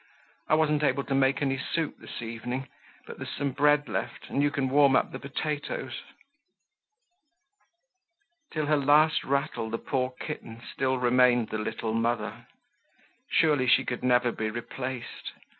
I wasn't able to make any soup this evening, but there's some bread left and you can warm up the potatoes." Till her last rattle, the poor kitten still remained the little mother. Surely she could never be replaced!